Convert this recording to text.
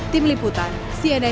tim liputan cnn indonesia